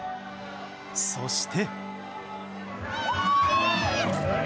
そして。